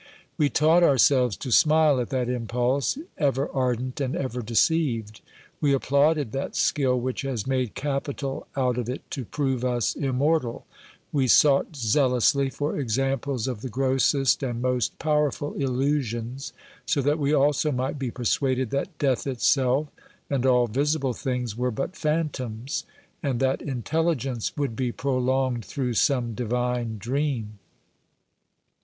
We taught ourselves to smile at that impulse, ever ardent and ever deceived; we applauded that skill which has made capital out of it to prove us immortal ; we sought zealously for examples of the grossest and most powerful illusions, so that we also might be persuaded that death itself and all visible things were but phantoms, and that intelligence would be prolonged through some divine dream.